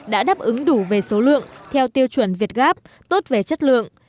đã đáp ứng đủ về số lượng theo tiêu chuẩn việt gáp tốt về chất lượng